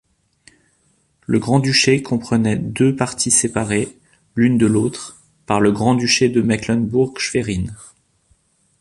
Le grand-duché comprenait deux parties séparées, l'une de l'autre, par le grand-duché de Mecklembourg-Schwerin.